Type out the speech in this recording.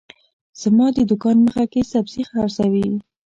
زما د دوکان مخه کي سبزي حرڅوي